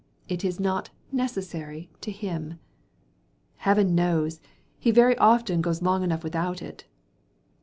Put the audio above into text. It is not 'necessary' to him:—Heaven knows, he very often goes long enough without it.